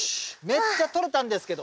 めっちゃとれたんですけど！